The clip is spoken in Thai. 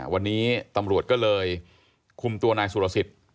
วันนี้ตำรวจก็เลยคุมตัวนายสุรสิทธิ์